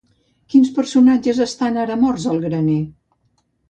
Quins personatges estan ara morts al graner?